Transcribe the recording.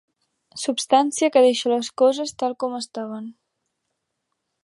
Substància que deixa les coses tal com estaven.